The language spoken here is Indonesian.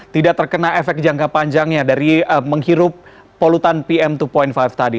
tidak terkena efek jangka panjangnya dari menghirup polutan pm dua lima tadi